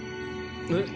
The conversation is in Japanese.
えっ？